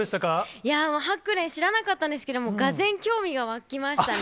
いやー、ハクレン、知らなかったんですけれども、がぜん興味が湧きましたね。